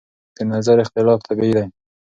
د نظر اختلاف طبیعي دی.